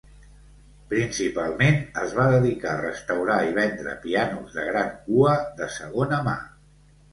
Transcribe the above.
Principalment es va dedicar a restaurar i vendre pianos de gran cua de segona mà.